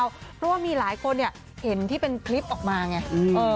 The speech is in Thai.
เพราะว่ามีหลายคนเห็นที่เป็นคลิปออกมาไง